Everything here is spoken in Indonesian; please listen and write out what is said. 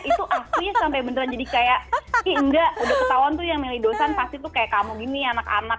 itu akunya sampai beneran jadi kayak enggak udah ketahuan tuh yang milih dosan pasti tuh kayak kamu gini anak anak